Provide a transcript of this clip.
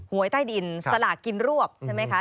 หวยใต้ดินสลากกินรวบใช่ไหมคะ